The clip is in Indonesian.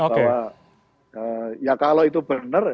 bahwa ya kalau itu benar